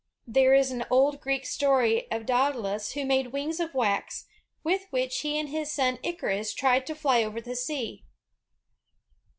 There is an old Greek story of Daedalus, who made wings of wax, with which he and his son Icarus tried to fly over the sea.